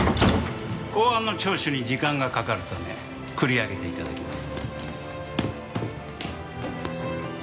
公安の聴取に時間がかかるため繰り上げて頂きます。